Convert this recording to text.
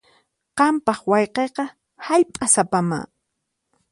Qampaq wayqiykiqa hallp'asapamá.